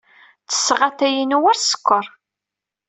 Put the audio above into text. Ttesseɣ atay-inu war sskeṛ.